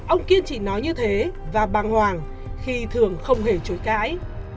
ông kiên chỉ nói như thế và bàng hoàng khi thường không hề chối cãi